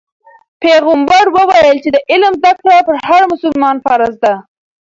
پیغمبر وویل چې د علم زده کړه په هر مسلمان فرض ده.